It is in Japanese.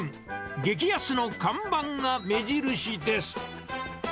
激安の看板が目印です。